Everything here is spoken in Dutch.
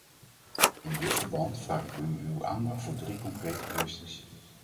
In dit verband vraag ik uw aandacht voor drie concrete kwesties.